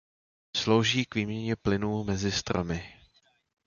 Slouží k výměně plynů mezi stromy.